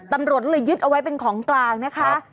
ตำรวจเลยยึดเอาไว้เป็นของกลางนะคะ